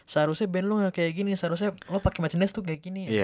seharusnya band lu nggak kayak gini seharusnya lu pake macenas tuh kayak gini